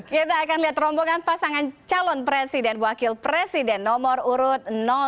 kita akan lihat rombongan pasangan calon presiden wakil presiden nomor urut satu